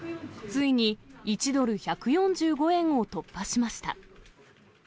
ついに１ドル１４５円を突破しました。